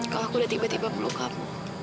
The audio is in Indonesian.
kalau aku udah tiba tiba perlu kamu